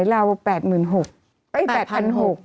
เพราะมัน๑๕๐๐ละ